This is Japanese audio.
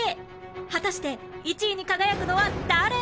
果たして１位に輝くのは誰？